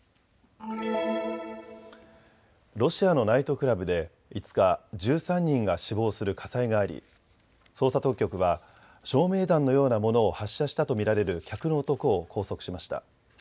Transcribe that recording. ロシアのナイトクラブで５日、１３人が死亡する火災があり捜査当局は照明弾のようなものを発射したと見られる客の男を拘束しました。